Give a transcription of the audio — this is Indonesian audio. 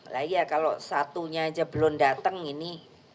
lah iya kalau satunya aja belum datang ini